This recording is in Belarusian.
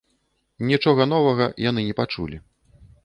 Нічога новага яны не пачулі.